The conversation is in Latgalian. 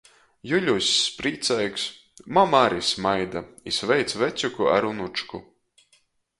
Juļuss prīceigs, mama ari smaida i sveic vacjuku ar unučku.